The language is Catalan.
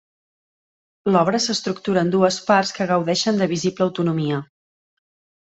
L'obra s'estructura en dues parts que gaudeixen de visible autonomia.